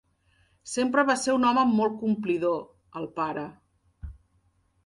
Sempre va ser un home molt complidor, el pare.